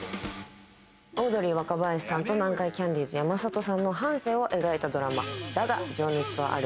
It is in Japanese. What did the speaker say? オードリー・若林さんと、南海キャンディーズ・山里さんの半生を描いたドラマ、『だが、情熱はある』。